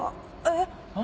えっ！？